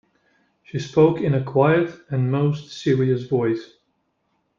She spoke in a quiet and most serious voice.